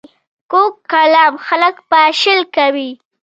کوږ کلام خلک پاشل کوي